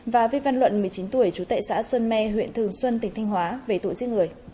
và viết văn luận một mươi chín tuổi chú tệ xã xuân me huyện thường xuân tỉnh thanh hóa